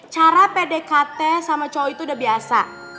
cara pdkt sama cowok itu udah biasa